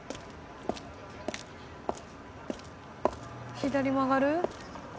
左曲がる？